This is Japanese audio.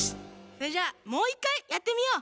それじゃあもう１かいやってみよう！